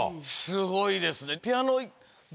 すごいですね。